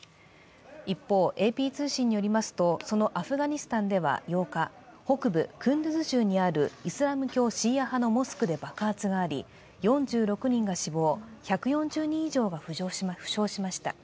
一方、ＡＰ通信によりますと、そのアフガニスタンでは８日、北部クンドゥズ州にあるイスラム教シーア派のモスクで爆発があり４６人が死亡、１４０人以上が負傷しました。